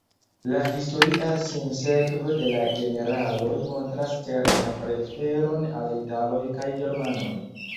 La historia sinsekvo de la generaloj montras certan preferon al italoj kaj germanoj.